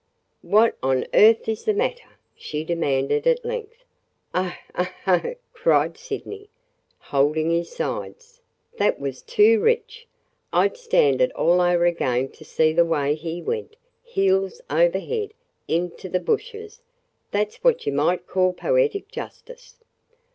"What on earth is the matter?" she demanded at length. "Oh, oh! oh!" cried Sydney, holding his sides. "That was too rich! I 'd stand it all over again to see the way he went, heels over head, into the bushes! That 's what you might call poetic justice!"